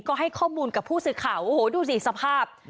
ก็ให้ข้อมูลกับผู้สื่อข่าวโอ้โหดูสิสภาพ